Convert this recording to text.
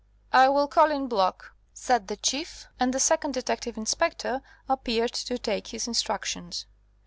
"I will call in Block," said the Chief, and the second detective inspector appeared to take his instructions.